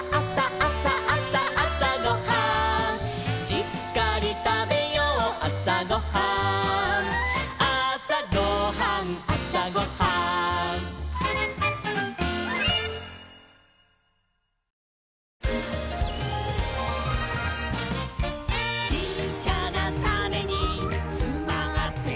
「しっかりたべようあさごはん」「あさごはんあさごはん」「ちっちゃなタネにつまってるんだ」